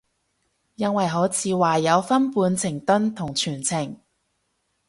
因為好似話有分半程蹲同全程